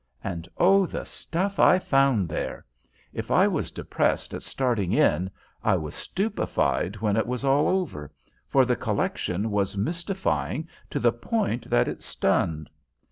And oh, the stuff I found there! If I was depressed at starting in, I was stupefied when it was all over, for the collection was mystifying to the point that it stunned.